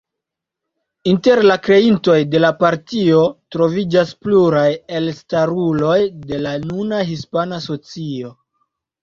Inter la kreintoj de la partio troviĝas pluraj elstaruloj de la nuna hispana socio.